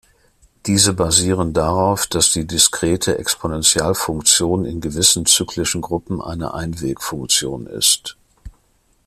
Diese basieren darauf, dass die diskrete Exponentialfunktion in gewissen zyklischen Gruppen eine Einwegfunktion ist.